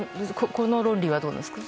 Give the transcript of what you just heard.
この論理はどうなんですか？